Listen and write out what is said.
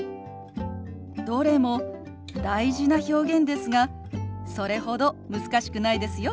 どれも大事な表現ですがそれほど難しくないですよ。